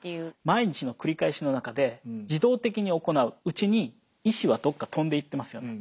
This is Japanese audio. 毎日の繰り返しの中で自動的に行ううちに意思はどっか飛んでいってますよね。